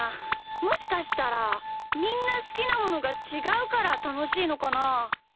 もしかしたらみんなすきなものがちがうからたのしいのかな？